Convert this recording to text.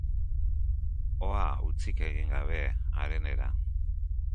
Hoa hutsik egin gabe harenera.